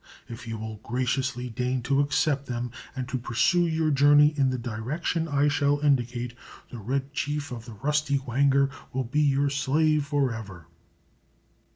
If you will graciously deign to accept them, and to pursue your journey in the direction I shall indicate, the Red Chief of the Rustywhanger will be your slave forever."